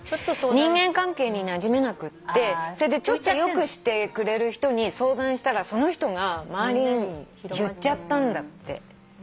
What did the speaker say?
人間関係になじめなくってそれでちょっとよくしてくれる人に相談したらその人が周りに言っちゃったんだって。